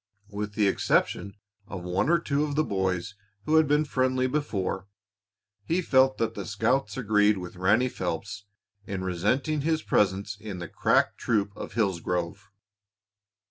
With the exception of one or two of the boys who had been friendly before, he felt that the scouts agreed with Ranny Phelps in resenting his presence in the crack troop of Hillsgrove.